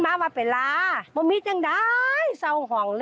อยากมากินเหล้าจริง